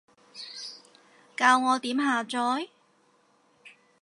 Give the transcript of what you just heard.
教我點下載？